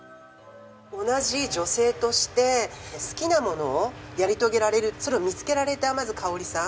同じ女性として好きなものをやり遂げられるそれを見つけられた香さん